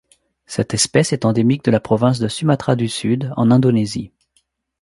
Cette espèce est endémique de la province de Sumatra du Sud en Indonésie.